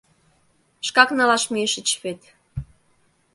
Шкак налаш мийышыч вет.